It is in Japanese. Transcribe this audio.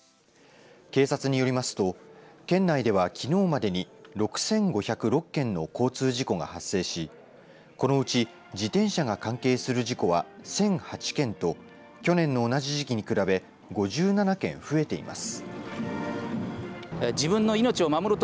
警察によりますと県内ではきのうまでに６５０６件の交通事故が発生しこのうち自転車が関係する事故は１００８件と去年の同じ時期に比べ５７件増えています。